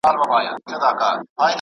زه هڅه کوم چي له ناوړه کارونو ځان وساتم.